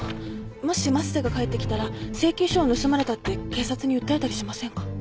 もし升瀬が帰ってきたら請求書を盗まれたって警察に訴えたりしませんか？